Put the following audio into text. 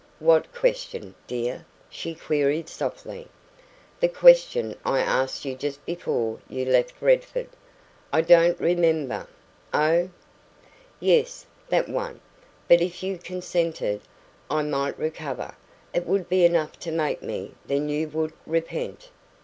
"What question, dear?" she queried softly. "The question I asked you just before you left Redford." "I don't remember Oh!" "Yes that one. But if you consented, I might recover it would be enough to make me; then you would repent."